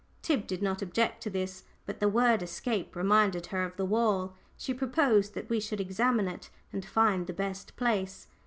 Tib did not object to this. But the word "escape" reminded her of the wall. She proposed that we should examine it, and find the best place.